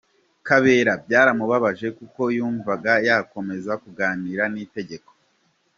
Kabera byaramubabaje kuko yumvaga yakomeza kuganira n’Igitego.